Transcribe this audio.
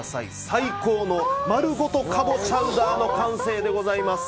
最高の丸ごとかぼチャウダーの完成でございます。